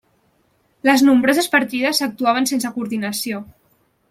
Les nombroses partides actuaven sense coordinació.